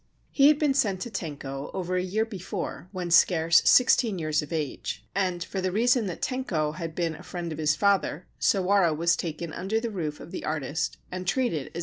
He had been sent to Tenko over a year before, when scarce sixteen years of age, and, for the reason that Tenko had been a friend of his father, Sawara was taken under the roof of the artist and treated as if he had been his son.